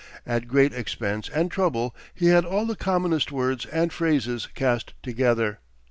At great expense and trouble he had all the commonest words and phrases cast together.